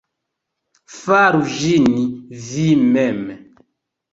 Faru ĝin vi mem'.